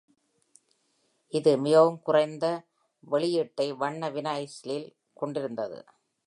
இது மிகவும் குறைந்த வெளியீட்டைக் வண்ண வினைல்லில் கொண்டிருந்தது.